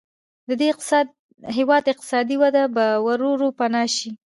د دې هېواد اقتصادي وده به ورو ورو پناه شي.